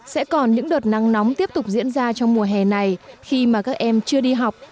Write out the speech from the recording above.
sẽ còn những đợt nắng nóng tiếp tục diễn ra trong mùa hè này khi mà các em chưa đi học